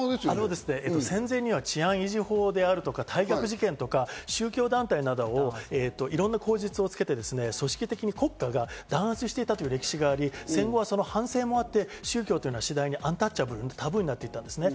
戦前には治安維持法とか、いろんな口実をつけて組織的に国家が弾圧していたという歴史があり、戦後はその反省もあって、宗教というのは次第にアンタッチャブル、タブーになっていったんですね。